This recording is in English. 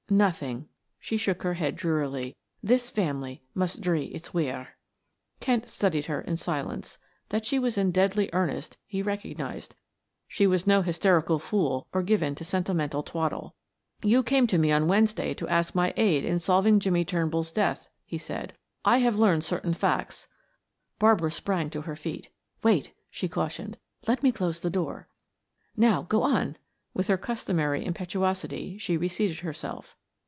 "Nothing," she shook her head drearily. "This family must 'dree its weir.'" Kent studied her in silence; that she was in deadly earnest he recognized, she was no hysterical fool or given to sentimental twaddle. "You came to me on Wednesday to ask my aid in solving Jimmie Turnbull's death," he said. "I have learned certain facts " Barbara sprang to her feet. "Wait," she cautioned. "Let me close the door. Now, go on " with her customary impetuosity she reseated herself.